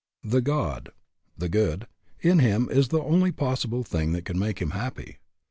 The God (the good) in him is the only possible thing that can make him happy.